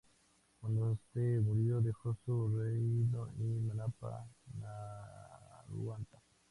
Cuando este murió, dejó su reino a Manapa-Tarhunta.